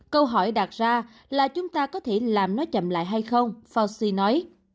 câu hỏi đạt ra là chúng ta có thể làm nó chậm lại hay không fauci nói